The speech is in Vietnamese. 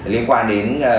liên quan đến